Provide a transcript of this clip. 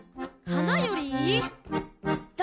「花より？」